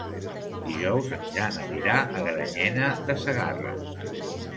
Dijous en Jan anirà a Granyena de Segarra.